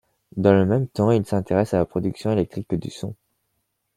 Dans le même temps, il s'intéresse à la production électrique de son.